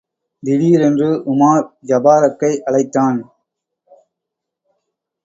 திடீரென்று உமார் ஜபாரக்கை அழைத்தான்.